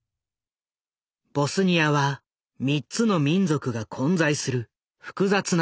ボスニアは３つの民族が混在する複雑な国家。